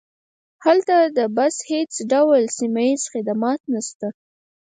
هلته د بس هیڅ ډول سیمه ییز خدمات نشته